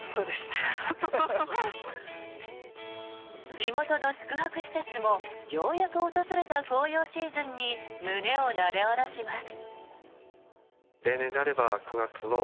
地元の宿泊施設もようやく訪れた紅葉シーズンに胸をなで下ろします。